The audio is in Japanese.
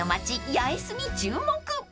八重洲に注目］